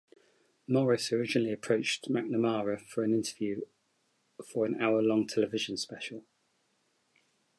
Morris originally approached McNamara for an interview for an hour-long television special.